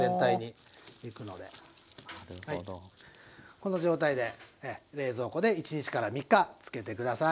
この状態で冷蔵庫で１３日漬けて下さい。